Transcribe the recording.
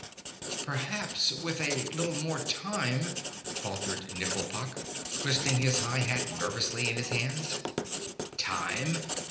"Perhaps, with a little more time," faltered Nifflepok, twisting his high hat nervously in his hands. "Time!